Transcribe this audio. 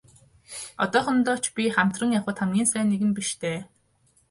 Одоохондоо ч би хамтран явахад хамгийн сайн нэгэн биш дээ.